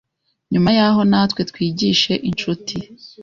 Nyuma yaho natwe twigishe inshuti